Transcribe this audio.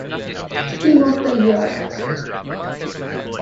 Team of the Year